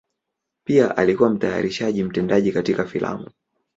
Pia alikuwa mtayarishaji mtendaji katika filamu.